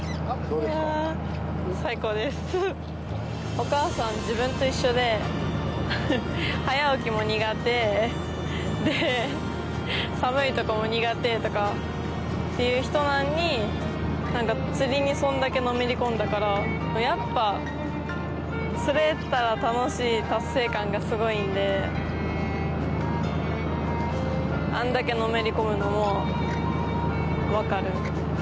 お母さん自分と一緒で早起きも苦手で寒いところも苦手とかという人なのに釣りにそれだけのめり込んだからやっぱり釣れたら楽しい達成感がすごいのであれだけのめり込むのもわかる。